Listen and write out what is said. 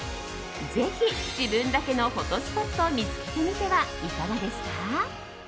ぜひ自分だけのフォトスポットを見つけてみてはいかがですか？